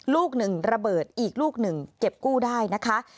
ลูกหนึ่งระเบิดอีกลูกหนึ่งเก็บกู้ได้นะคะ